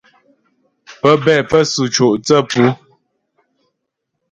Pə́bɛ pə́ sʉ co' thə́ pu.